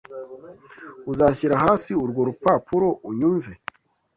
Uzashyira hasi urwo rupapuro unyumve?